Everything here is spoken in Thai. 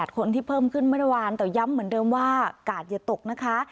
คนที่เพิ่มขึ้นเมื่อวานแต่ย้ำเหมือนเดิมว่ากาดอย่าตกนะคะ